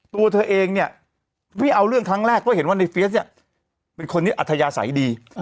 ตัวเธอเองเนี่ยไม่เอาเรื่องครั้งแรกเพราะเห็นว่าในเฟียสเนี่ยเป็นคนที่อัธยาศัยดี